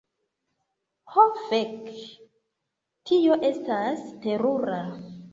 Ho fek. Tio estas terura.